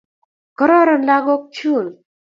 Kororon lagok chun.